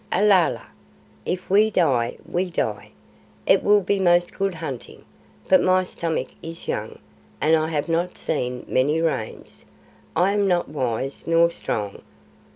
"Alala! If we die, we die. It will be most good hunting. But my stomach is young, and I have not seen many Rains. I am not wise nor strong.